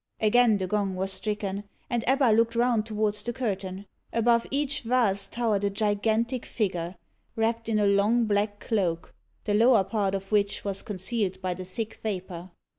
Again the gong was stricken, and Ebba looked round towards the curtain. Above each vase towered a gigantic figure, wrapped in a long black cloak, the lower part of which was concealed by the thick vapour.